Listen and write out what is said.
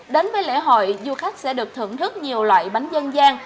đến với lễ hội du khách sẽ được thưởng thức nhiều loại bánh dân gian